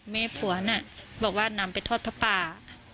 แม่ผัวน่ะบอกว่านำไปทอดผ้าป่า